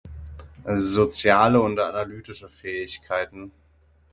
Soziale und analytische Fähigkeiten.